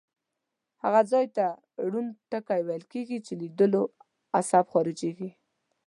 هغه ځای ته ړوند ټکی ویل کیږي چې لیدلو عصب خارجیږي.